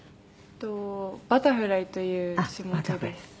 バタフライという種目です。